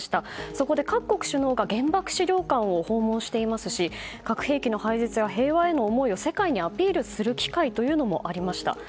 そこで各国首脳が原爆資料館を訪問していますし核兵器の廃絶や平和への思いを世界にアピールする機会もありました。